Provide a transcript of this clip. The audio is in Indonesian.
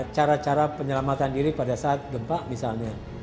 cara cara penyelamatan diri pada saat gempa misalnya